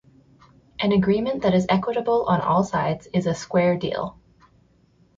An agreement that is equitable on all sides is a "square deal".